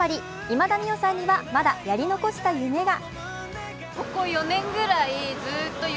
今田美桜さんにはまだやり残した夢が。